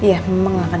dia jagain sama ancus ya